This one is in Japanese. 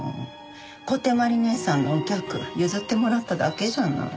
小手鞠姐さんのお客譲ってもらっただけじゃない。